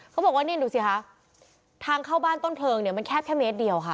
เขาบอกว่านี่ดูสิคะทางเข้าบ้านต้นเพลิงเนี่ยมันแคบแค่เมตรเดียวค่ะ